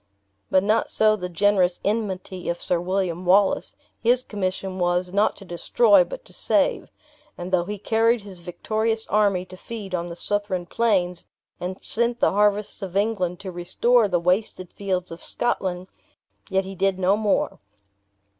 But not so the generous enmity of Sir William Wallace. His commission was, not to destroy, but to save; and though he carried his victorious army to feed on the Southron plains, and sent the harvests of England to restore the wasted fields of Scotland, yet he did no more.